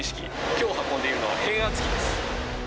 今日運んでいるのは変圧器です。